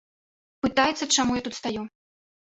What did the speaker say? Пытаецца, чаму я тут стаю.